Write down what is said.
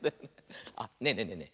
あっねえねえねえねえ